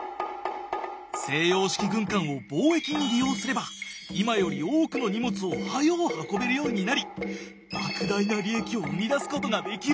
西洋式軍艦を貿易に利用すれば今より多くの荷物を早お運べるようになり莫大な利益を生み出すことができる！